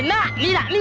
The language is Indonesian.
hah masuk kan